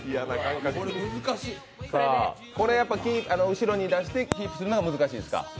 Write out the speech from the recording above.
これやっぱ後ろに出してキープするのは難しいですか？